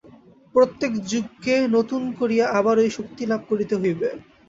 প্রত্যেক যুগকে নূতন করিয়া আবার ঐ শক্তি লাভ করিতে হইবে।